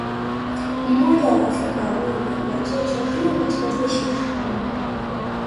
Mmoja wa Waafrika wawili wa cheo cha juu katika jeshi la wakoloni